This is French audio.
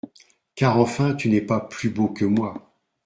Car enfin tu n’es pas plus beau que moi.